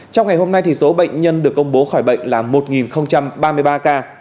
trong ngày hôm nay số bệnh nhân được công bố khỏi bệnh là một ba mươi ba ca